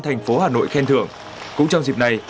thành phố hà nội khen thưởng cũng trong dịp này